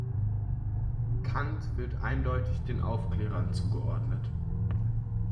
Kant wird eindeutig den Aufklärern zugeordnet.